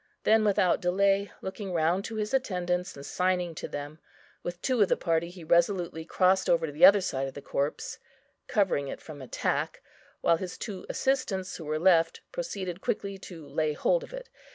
Then without delay, looking round to his attendants, and signing to them, with two of the party he resolutely crossed over to the other side of the corpse, covering it from attack, while his two assistants who were left proceeded quickly to lay hold of it.